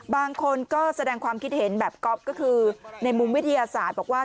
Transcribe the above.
บางคนก็แสดงความคิดเห็นแบบก๊อฟก็คือในมุมวิทยาศาสตร์บอกว่า